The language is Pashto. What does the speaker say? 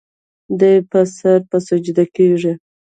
دے به سر پۀ سجده کيږدي